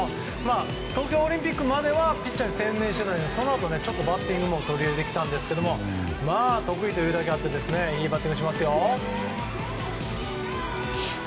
東京オリンピックまではピッチャーに専念していてそのあと、バッティングも取り入れてきたんですが得意というだけあっていいバッティングしますよ。